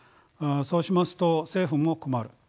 そうしますと政府も困る。